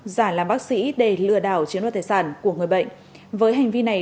giả làm bác sĩ để lừa đảo chiến đấu tài sản của người bệnh với hành vi này